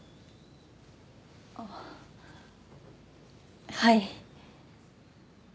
あっはい。